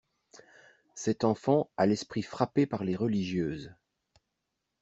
Cette enfant a l'esprit frappé par les religieuses.